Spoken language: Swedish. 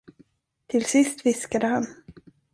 Till sist viskade kan.